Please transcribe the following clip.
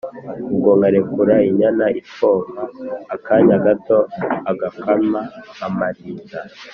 ubwo nkarekura inyana ikonka akanya gato agakama amarindira